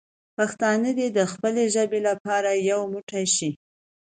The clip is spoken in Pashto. پښتانه دې د خپلې ژبې لپاره یو موټی شي.